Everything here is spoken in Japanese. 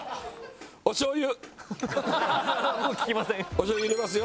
おしょう油入れますよ。